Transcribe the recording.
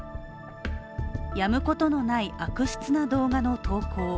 やむことのない悪質な動画の投稿。